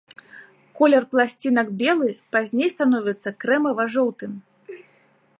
Колер пласцінак белы, пазней становіцца крэмава-жоўтым.